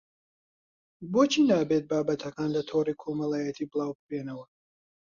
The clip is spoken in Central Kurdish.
بۆچی نابێت بابەتەکان لە تۆڕی کۆمەڵایەتی بڵاوبکرێنەوە